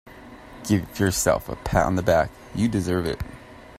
Give yourself a pat on the back, you deserve it.